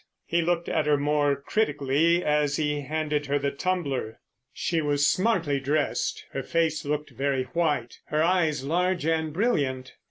He looked at her more critically as he handed her the tumbler. She was smartly dressed. Her face looked very white, her eyes large and brilliant.